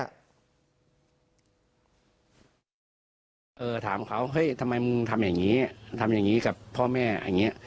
ถามเขาเฮ้ยทำไมมึงทำอย่างนี้ทำอย่างนี้กับพ่อแม่อย่างนี้